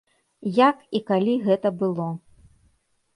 Як і калі гэта было?